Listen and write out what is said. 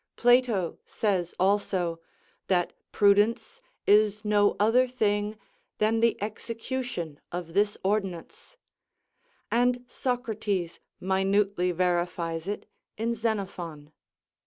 Plato says also, that prudence is no other thing than the execution of this ordinance; and Socrates minutely verifies it in Xenophon.